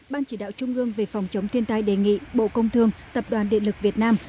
ban chỉ đạo trung ương về phòng chống thiên tai đề nghị bộ công thương tập đoàn điện lực việt nam